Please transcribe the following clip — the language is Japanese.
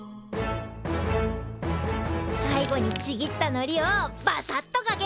最後にちぎったのりをバサッとかける！